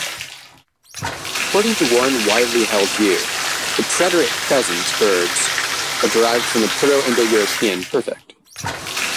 According to one "widely-held view", the preterite-present verbs are derived from the Proto-Indo-European perfect.